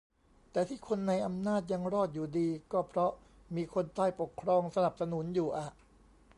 แต่ที่คนในอำนาจยังรอดอยู่ดี ก็เพราะมีคนใต้ปกครองสนับสนุนอยู่อะ